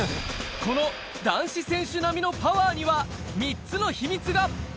この男子選手並みのパワーには、３つの秘密が。